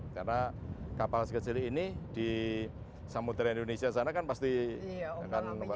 karena kapal sekecil ini di samudera indonesia sana kan pasti akan membuat besar